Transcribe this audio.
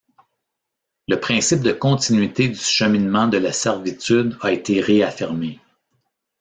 Le principe de continuité du cheminement de la servitude a été réaffirmé.